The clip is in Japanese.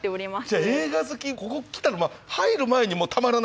じゃあ映画好きここ来たら入る前にもうたまらないような。